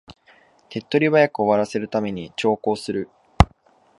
手っ取り早く終わらせるために長考する